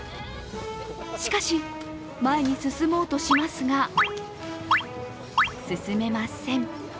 しかし、前に進もうとしますが進めません。